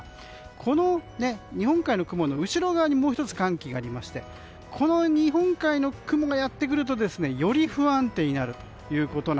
この日本海の雲の後ろにもう１つ寒気がありましてこの日本海の雲がやってくるとより不安定になると。